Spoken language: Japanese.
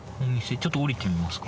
ちょっと降りてみますか。